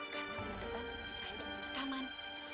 karena minggu depan saya udah mau rekaman